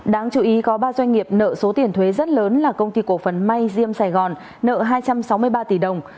đáng chú ý có ba doanh nghiệp nợ số tiền thuế rất lớn là công ty cổ phần may diêm sài gòn nợ hai trăm sáu mươi ba tỷ đồng